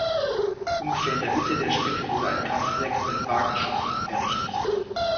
Ungefähr in der Mitte der Strecke wurde ein Kraftwerk mit Wagenschuppen errichtet.